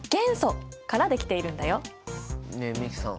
ねえ美樹さん